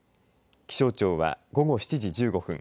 気象庁は、午後７時１５分